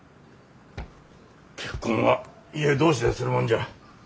結婚は家同士でするもんじゃ。